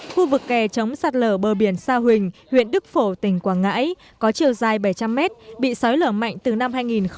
khu vực kè chống sạt lở bờ biển sa huỳnh huyện đức phổ tỉnh quảng ngãi có chiều dài bảy trăm linh mét bị sói lở mạnh từ năm hai nghìn một mươi